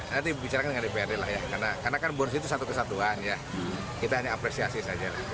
nanti bicarakan dengan dprd lah ya karena kan bonus itu satu kesatuan ya kita hanya apresiasi saja